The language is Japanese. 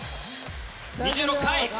２６回。